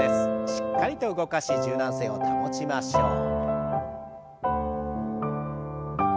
しっかりと動かし柔軟性を保ちましょう。